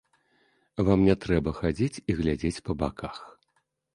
Вам не трэба хадзіць і глядзець па баках.